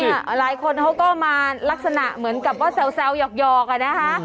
หลายคนเขาก็มาลักษณะเหมือนกับว่าแซวหยอกอะนะคะ